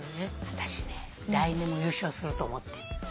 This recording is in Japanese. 私ね来年も優勝すると思って。